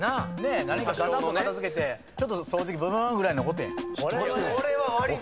何かささっと片付けてちょっと掃除機ブブーンぐらいのことや。